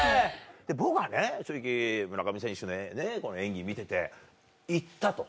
僕はね正直村上選手の演技見てて「行った」と。